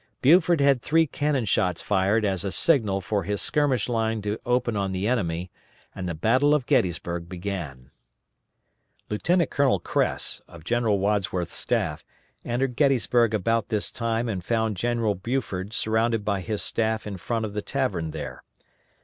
Buford had three cannon shots fired as a signal for his skirmish line to open on the enemy, and the battle of Gettysburg began.* [* Lt. Col. Kress, of General Wadsworth's staff, entered Gettysburg about this time and found General Buford surrounded by his staff in front of the tavern there.